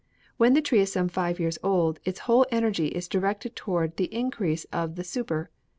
When the tree is some five years old, its whole energy is directed toward the increase of the suber.